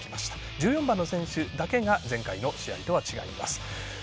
１４番の選手だけが前回の試合とは違います。